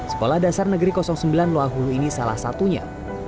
sekolah dasar negeri sembilan loahulu ini salah satunya